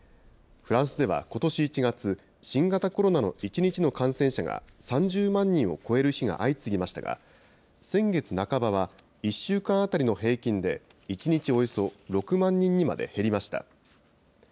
フランスではことし１月、新型コロナの１日の感染者が３０万人を超える日が相次ぎましたが、先月半ばは、１週間当たりの平均で、１日およそ６万人にまで減りました。